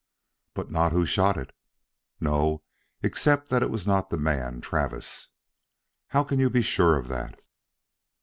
"But not who shot it." "No except that it was not the man Travis." "How can you be sure of that?"